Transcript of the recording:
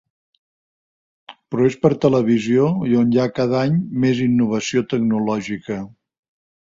Però és per televisió, on hi ha cada any més innovació tecnològica.